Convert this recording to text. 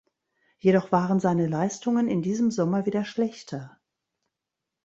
Jedoch waren seine Leistungen in diesem Sommer wieder schlechter.